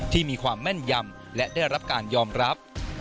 ที่มีความแม่นยำและได้รับการยอมรับ